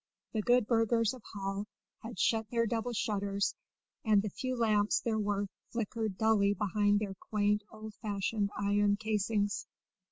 The good burghers of Hall had shut their double shutters, and the few lamps there were flickered dully behind their quaint, old fashioned iron casings.